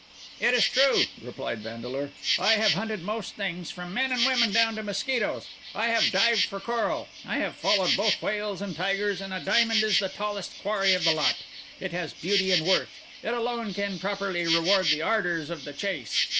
"It is true," replied Vandeleur. "I have hunted most things, from men and women down to mosquitos; I have dived for coral; I have followed both whales and tigers; and a diamond is the tallest quarry of the lot. It has beauty and worth; it alone can properly reward the ardours of the chase.